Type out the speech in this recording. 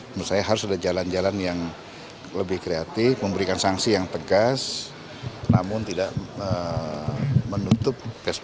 menurut saya harus ada jalan jalan yang lebih kreatif memberikan sanksi yang tegas namun tidak menutup